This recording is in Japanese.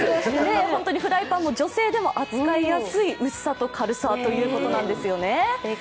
ホントにフライパンでも女性でも扱いやすい薄さと軽さということなんですよね。